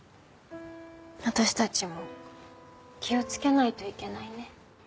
私たちも気をつけないといけないね。